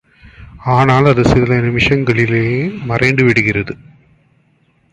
ஆனால் அது சில நிமிஷங்களிலே மறைந்து விடுகிறது.